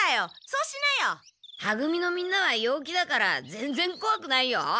そうしなよ。は組のみんなは陽気だからぜんぜんこわくないよ。